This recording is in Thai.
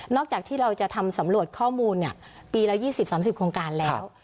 จากที่เราจะทำสำรวจข้อมูลปีละ๒๐๓๐โครงการแล้ว